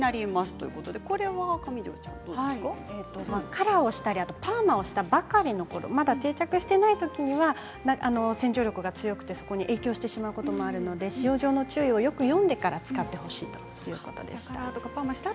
カラーをしたりパーマをしたばかりのころまだ定着していないときには洗浄力が強くて、そこに影響してしまうこともあるので使用上の注意を、よく読んでから使ってほしいということでした。